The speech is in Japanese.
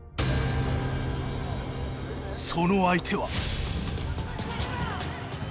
その相手は。